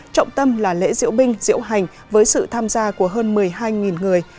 trọng tâm là lễ diễu binh diễu hành với sự tham gia của hơn một mươi hai người